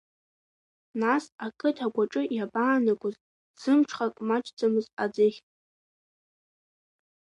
Нас ақыҭа агәаҿы иабаанагоз зымҽхак маҷӡамыз аӡыхь?